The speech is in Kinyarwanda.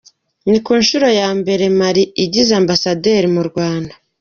Ni ku nshuro ya mbere Mali igize Ambasaderi mu Rwanda.